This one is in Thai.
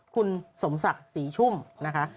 คุณสมศักดิ์ศรีชุ่มนะคะ